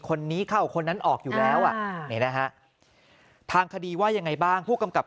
คนนี้เข้าคนนั้นออกอยู่แล้วอ่ะนี่นะฮะทางคดีว่ายังไงบ้างผู้กำกับ